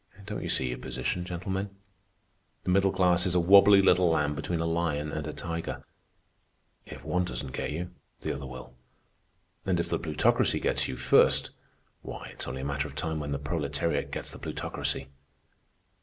Don't you see your position, gentlemen? The middle class is a wobbly little lamb between a lion and a tiger. If one doesn't get you, the other will. And if the Plutocracy gets you first, why it's only a matter of time when the Proletariat gets the Plutocracy.